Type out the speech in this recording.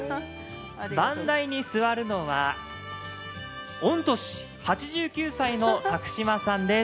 番台に座るのは御年８９歳の宅島さんです。